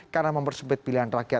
karena mempersempit pilihan kepentingan